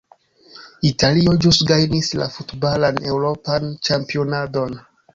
Italio ĵus gajnis la futbalan eŭropan ĉampionadon.